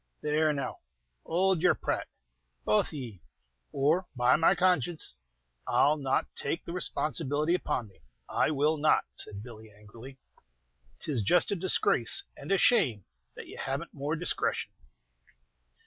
"There, now, hould your prate, both of ye, or, by my conscience, I 'll not take the responsibility upon me, I will not!" said Billy, angrily. "'Tis just a disgrace and a shame that ye haven't more discretion."